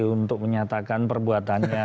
untuk menyatakan perbuatannya